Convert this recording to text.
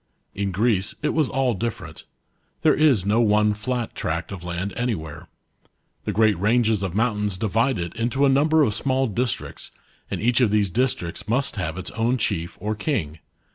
In Greece it was all different. There is no one flat tract of land anywhere. The great ranges of mountains divide it into a number of small districts, and each of these districts must have its own chief or king.